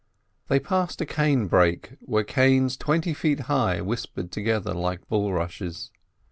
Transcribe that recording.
They passed a cane brake where canes twenty feet high whispered together like bulrushes.